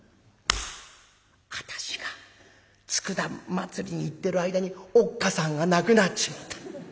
私が佃祭りに行ってる間におっかさんが亡くなっちまった。